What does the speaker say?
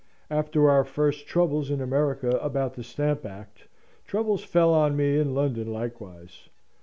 After our first troubles in America about the Stamp Act, troubles fell on me in London likewise.